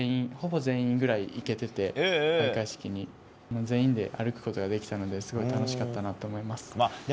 ほぼ全員くらい開会式に行けてて全員で歩くことができたのですごく楽しかったなと思います。